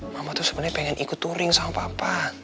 mama tuh sebenarnya pengen ikut touring sama papa